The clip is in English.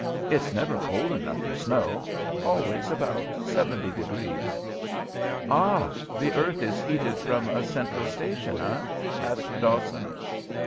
"It's never cold enough for snow always about seventy degrees." "Ah! The earth is heated from a central station, eh?" asked Dawson.